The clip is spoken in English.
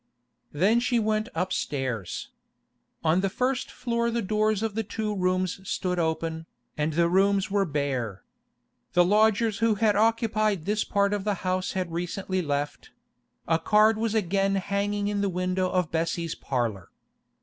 Then she went upstairs. On the first floor the doors of the two rooms stood open, and the rooms were bare. The lodgers who had occupied this part of the house had recently left; a card was again hanging in the window of Bessie's parlour.